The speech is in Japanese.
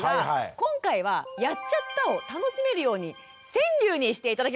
今回は「やっちゃった！」を楽しめるように川柳にして頂きました。